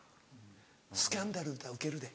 スキャンダル言うたらウケるで。